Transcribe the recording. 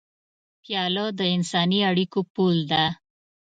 پیاله د انساني اړیکو پُل ده.